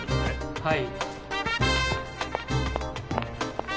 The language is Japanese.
はい。